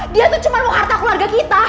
dia tuh cuma mau harta keluarga kita